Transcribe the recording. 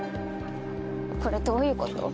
これどういうこと？